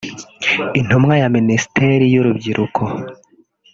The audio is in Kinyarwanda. Intumwa ya Minisiteri y’Urubyiruko